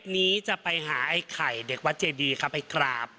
วันนี้จะไปหาไอ้ไข่เด็กวัดเจดีครับไปกราบ